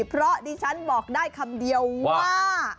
เพราะดิฉันบอกได้คำเดียวว่า